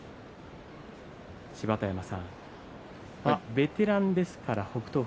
芝田山さんベテランですから北勝